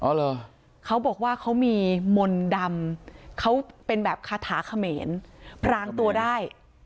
เขาบอกว่าเขามีมนต์ดำเขาเป็นแบบคาถาเขมรพรางตัวได้